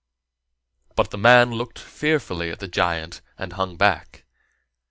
But the man looked fearfully at the giant and hung back.